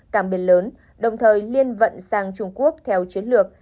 càng biệt lớn đồng thời liên vận sang trung quốc theo chiến lược